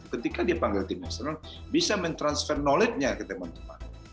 ketika dia panggil tim nasional bisa men transfer knowledge nya ke teman teman